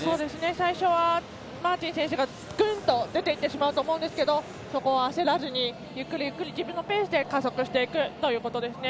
最初はマーティン選手がぐんと出て行ってしまうと思うんですけど焦らずにゆっくり自分のペースで加速していくということですね。